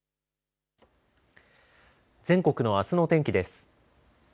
全国のあすの天気です。